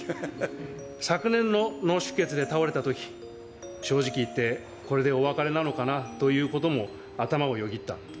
昨年の脳出血で倒れたとき、正直言って、これでお別れなのかなということもあたまをよぎった。